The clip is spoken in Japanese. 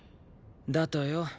だとよ。